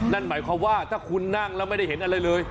นั่นหมายความว่าถ้าคุณนั่งแล้วไม่ได้เห็นอะไรเลย